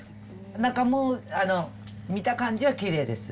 中も見た感じはきれいです。